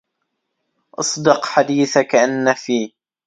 اصدق حديثك إن في